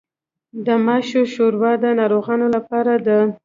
د ماشو شوروا د ناروغانو لپاره ده.